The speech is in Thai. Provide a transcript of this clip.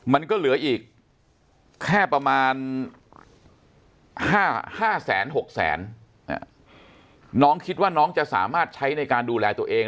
มันก็เหลืออีกแค่ประมาณ๕๖แสนน้องคิดว่าน้องจะสามารถใช้ในการดูแลตัวเอง